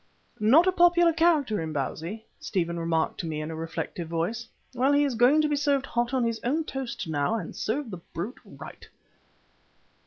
"Not a popular character, Imbozwi," Stephen remarked to me in a reflective voice. "Well, he is going to be served hot on his own toast now, and serve the brute right."